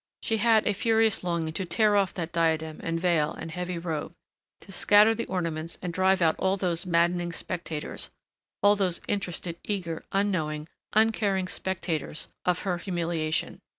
She had a furious longing to tear off that diadem and veil and heavy robe, to scatter the ornaments and drive out all those maddening spectators, all those interested, eager, unknowing, uncaring spectators of her humiliation.